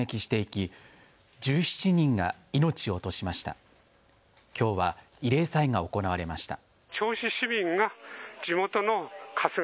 きょうは慰霊祭が行われました。